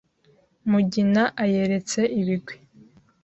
Mugina ayeretse ibigwi